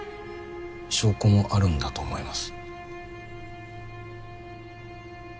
証拠もあるんだと思います。